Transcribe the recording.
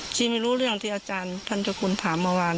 ที่ไม่รู้เรื่องที่อาจารย์พันธกุลถามเมื่อวาน